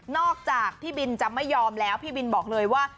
จากพี่บินจะไม่ยอมแล้วพี่บินบอกเลยว่า